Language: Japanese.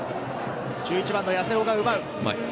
１１番の八瀬尾が奪う。